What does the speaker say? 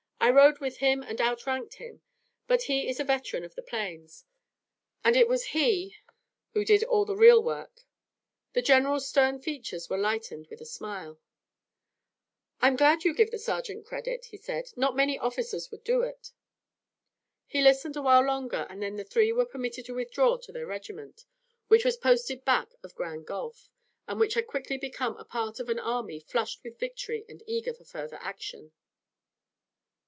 I rode with him and outranked him, but he is a veteran of the plains, and it was he who did the real work." The general's stern features were lightened by a smile. "I'm glad you give the sergeant credit," he said. "Not many officers would do it." He listened a while longer and then the three were permitted to withdraw to their regiment, which was posted back of Grand Gulf, and which had quickly become a part of an army flushed with victory and eager for further action.